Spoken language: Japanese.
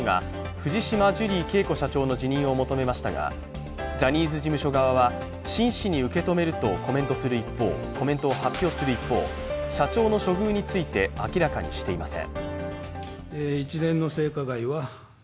藤島ジュリー景子社長の辞任を求めましたがジャニーズ事務所側は真摯に受け止めるとコメントを発表する一方、社長の処遇について明らかにしていません。